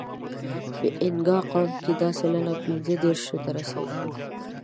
په اینګا قوم کې دا سلنه پینځهدېرشو ته رسېده.